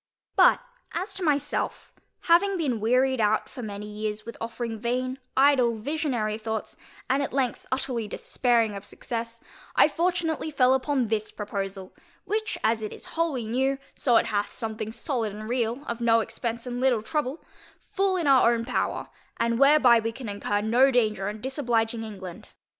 But, as to myself, having been wearied out for many years with offering vain, idle, visionary thoughts, and at length utterly despairing of success, I fortunately fell upon this proposal, which, as it is wholly new, so it hath something solid and real, of no expence and little trouble, full in our own power, and whereby we can incur no danger in disobliging England.